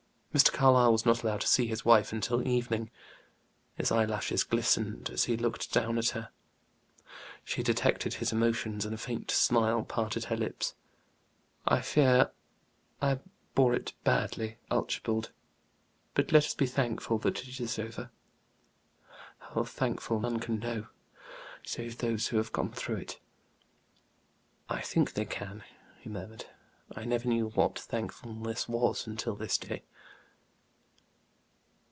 Mr. Carlyle was not allowed to see his wife until evening. His eyelashes glistened, as he looked down at her. She detected his emotion, and a faint smile parted her lips. "I fear I bore it badly, Archibald; but let us be thankful that it is over. How thankful, none can know, save those who have gone through it." "I think they can," he murmured. "I never knew what thankfulness was until this day."